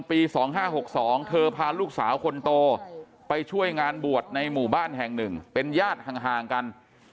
ปี๒๕๖๒เธอพาลูกสาวคนโตไปช่วยงานบวชในหมู่บ้านแห่งหนึ่งเป็นญาติห่างกัน